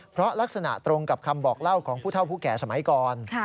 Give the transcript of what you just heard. เพราะลักษณะตรงกับคำบอกเล่าของผู้เท่าผู้แก่สมัยก่อน